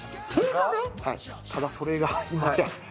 ただそれが今や。